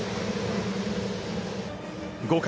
５回。